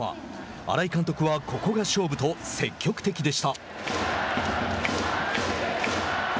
新井監督はここが勝負と積極的でした。